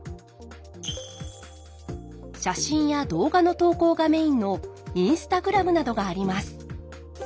写真や動画の投稿がメインのＩｎｓｔａｇｒａｍなどがあります。